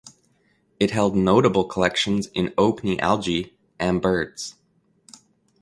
It held notable collections in Orkney algae and birds.